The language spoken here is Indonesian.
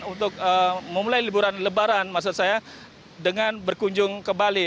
untuk memulai liburan lebaran maksud saya dengan berkunjung ke bali